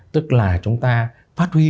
tức là chúng ta phát huy